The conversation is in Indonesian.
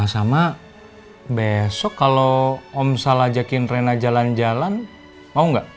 sama besok kalau omsel ajakin rena jalan jalan mau nggak